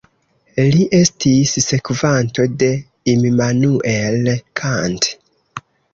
Li estis sekvanto de Immanuel Kant.